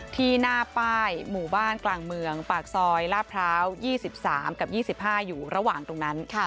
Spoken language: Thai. ที่หน้าป้ายหมู่บ้านกลางเมืองปากซอยลาดพร้าว๒๓กับ๒๕อยู่ระหว่างตรงนั้น